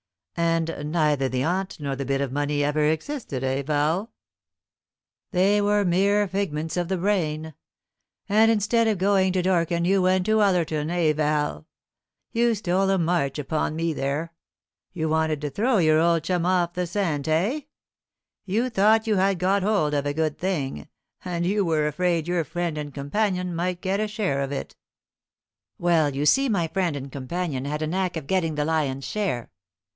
"And neither the aunt nor the bit of money ever existed, eh, Val? They were mere figments of the brain; and instead of going to Dorking you went to Ullerton, eh, Val? You stole a march upon me there. You wanted to throw your old chum off the scent, eh? You thought you had got hold of a good thing, and you were afraid your friend and companion might get a share of it." "Well, you see, my friend and companion had a knack of getting the lion's share.